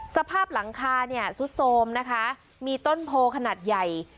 สภาพหลังคาเนี่ยซุดโทรมนะคะมีต้นโพขนาดใหญ่